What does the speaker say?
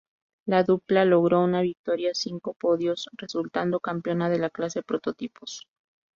La dupla logró una victoria y cinco podios, resultando campeona de la clase Prototipos.